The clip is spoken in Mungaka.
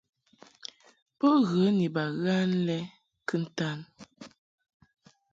Bo ghə ni baghan lɛ kɨntan.